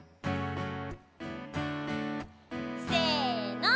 せの。